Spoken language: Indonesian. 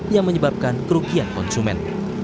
yang menyebabkan kerugian konsumen